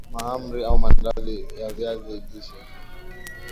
mahamri au Maandazi ya viazi lishe